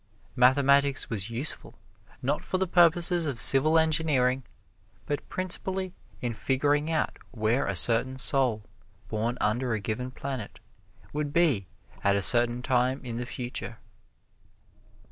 Mathematics was useful, not for purposes of civil engineering, but principally in figuring out where a certain soul, born under a given planet, would be at a certain time in the future.